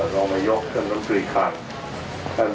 ท่านรองบรรยบท่านคำสือคาร